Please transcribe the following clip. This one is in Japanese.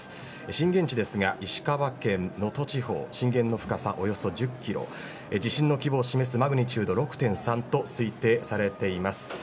震源地ですが、石川県能登地方震源の深さおよそ１０キロ地震の規模を示すマグニチュード６．３と推定されています。